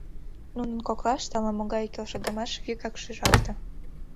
Нунын коклаште ала-могай келшыдымаш вигак шижалте.